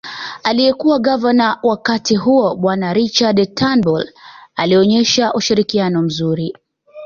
Aliyekuwa gavana wa wakati huo bwana Richard Turnbull alionyesha ushirikiano mzuri